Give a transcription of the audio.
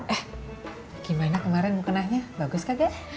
eh gimana kemarin mukenanya bagus kagak